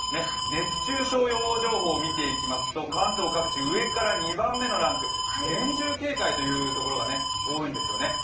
熱中症予防情報を見ていきますと関東各地、上から２番目のランク厳重警戒というところが多いんですよね。